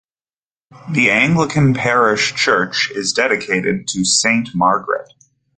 The Anglican parish church is dedicated to Saint Margaret.